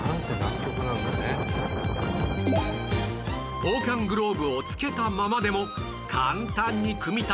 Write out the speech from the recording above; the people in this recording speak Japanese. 防寒グローブをつけたままでも簡単に組み立てられるよう